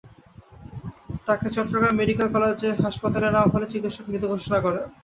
তাঁকে Chattogram medical college হাসপাতালে নেওয়া হলে চিকিৎসক মৃত ঘোষণা করেন।